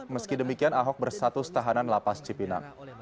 meski demikian ahok bersatu setahanan lapas cipinang